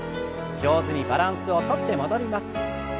上手にバランスをとって戻ります。